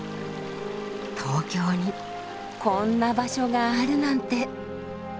東京にこんな場所があるなんて。